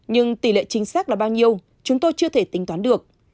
nhưng tỷ lệ chính xác là bao nhiêu chúng tôi chưa thể tính toán được